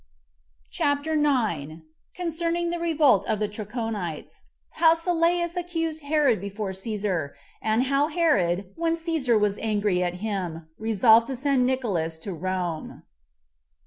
CHAPTER 9. Concerning The Revolt Of The Trachonites; How Sylleus Accused Herod Before Cæsar; And How Herod, When Cæsar Was Angry At Him, Resolved To Send Nicolaus To Rome.